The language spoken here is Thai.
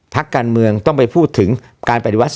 พักการเมืองต้องไปพูดถึงการปฏิวัติ